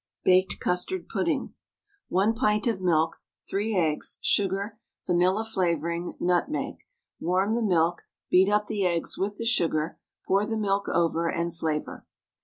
BAKED CUSTARD PUDDING. 1 pint of milk, 3 eggs, sugar, vanilla flavouring, nutmeg. Warm the milk, beat up the eggs with the sugar, pour the milk over, and flavour.